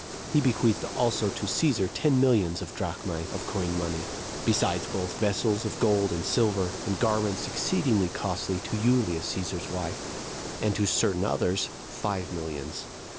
He bequeathed also to Cæsar ten millions [of drachmae] of coined money, besides both vessels of gold and silver, and garments exceeding costly, to Julia, Cæsar's wife; and to certain others, five millions.